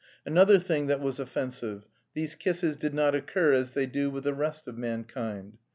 Another thing that was offensive; these kisses did not occur as they do with the rest of mankind.